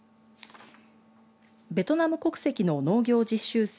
ベトナム国籍の農業実習生